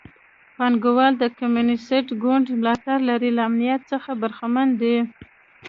پانګوال د کمونېست ګوند ملاتړ لري له امنیت څخه برخمن دي.